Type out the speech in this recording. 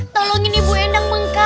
tolongin ibu endang bengkak